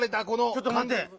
ちょっとまて。